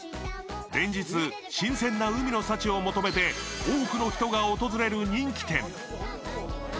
連日、新鮮な海の幸を求めて多くの人が訪れる人気店。